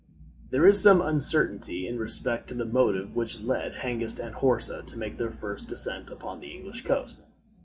There is some uncertainty in respect to the motive which led Hengist and Horsa to make their first descent upon the English coast.